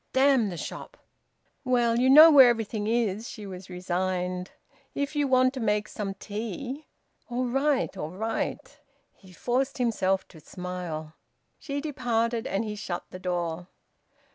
"Damn the shop!" "Well, you know where everything is." She was resigned. "If you want to make some tea " "All right, all right!" He forced himself to smile. She departed, and he shut the door.